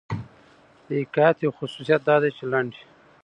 د حکایت یو خصوصیت دا دئ، چي لنډ يي.